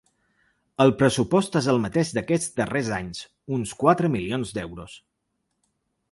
El pressupost és el mateix d’aquests darrers anys, uns quatre milions d’euros.